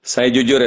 saya jujur ya